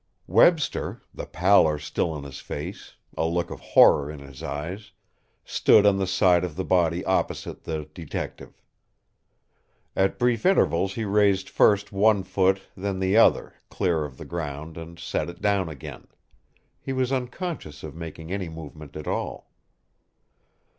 Webster, the pallor still on his face, a look of horror in his eyes, stood on the side of the body opposite the detective. At brief intervals he raised first one foot, then the other, clear of the ground and set it down again. He was unconscious of making any movement at all.